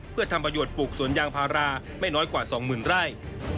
เพื่อทำประโยชน์ปลูกสวนยางพาราไม่น้อยกว่า๒๐๐๐ไร่